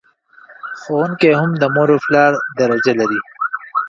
ښوونکي هم د مور او پلار درجه لر...